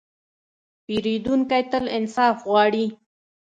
پیرودونکی تل انصاف غواړي.